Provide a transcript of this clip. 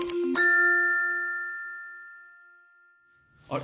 あれ？